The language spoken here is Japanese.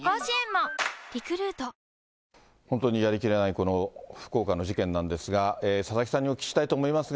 この福岡の事件なんですが、佐々木さんにお聞きしたいと思いますが、